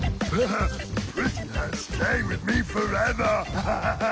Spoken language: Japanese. ハハハハ。